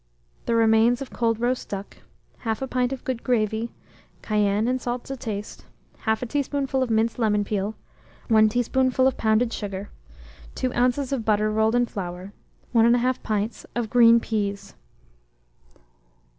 The remains of cold roast duck, 1/2 pint of good gravy, cayenne and salt to taste, 1/2 teaspoonful of minced lemon peel, 1 teaspoonful of pounded sugar, 2 oz, of butter rolled in flour, 1 1/2 pint of green peas.